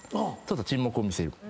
沈黙を見せる。